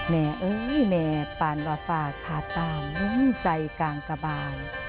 แม่เอ๊ยแม่ปานวฟาคาตาวเมื่องไส้กางกะบาย